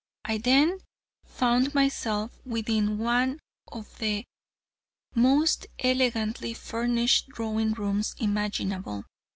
I then found myself within one of the most elegantly furnished drawing rooms imaginable.